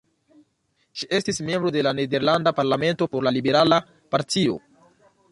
Ŝi estis membro de la nederlanda parlamento por la liberala partio.